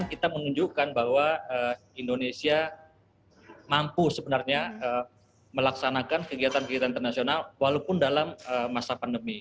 indonesia mampu melaksanakan kegiatan internasional walaupun dalam masa pandemi